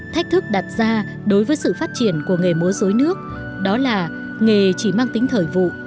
thách thức đặt ra đối với sự phát triển của nghề múa dối nước đó là nghề chỉ mang tính thời vụ